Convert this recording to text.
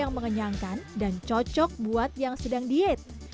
yang mengenyangkan dan cocok buat yang sedang diet